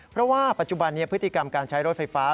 เพราะว่าปัจจุบันนี้พฤติกรรมการใช้รถไฟฟ้า